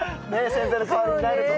洗剤の代わりになるとか。